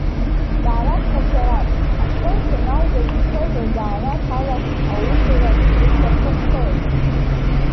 Ҵаара ԥхашьарам, ашкол шәаналгаз ишәоуз азанааҭ ала аусура зышәҭахымхеи?